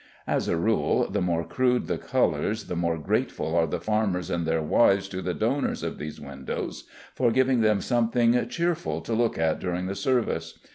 As a rule, the more crude the colors, the more grateful are the farmers and their wives to the donors of these windows for giving them something cheerful to look at during the service.